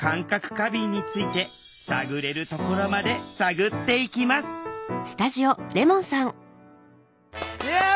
過敏について探れるところまで探っていきますイエイ！